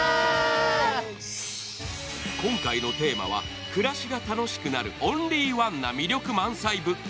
今回のテーマは暮らしが楽しくなるオンリーワンな魅力満載物件。